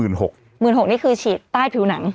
นี่คือฉีดใต้ผิวหนัง